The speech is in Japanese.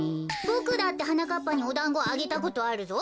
ボクだってはなかっぱにおだんごあげたことあるぞ。